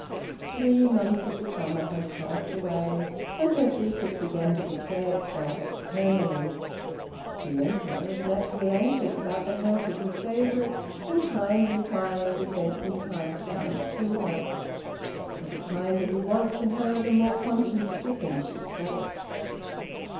Three months of the summer had passed away, and her secret began to betray itself externally. The Emperor was naturally anxious about the health of his favorite, and kind inquiries were sent from time to time to her. But the kinder he was to her the more conscience stricken she felt.